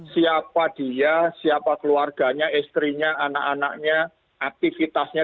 siapa dia siapa keluarganya istrinya anak anaknya aktivitasnya